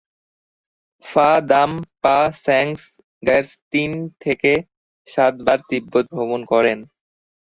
ফা-দাম-পা-সাংস-র্গ্যাস তিন থেকে সাত বার তিব্বত ভ্রমণ করেন।